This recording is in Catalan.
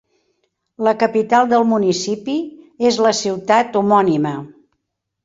La capital del municipi és la ciutat homònima.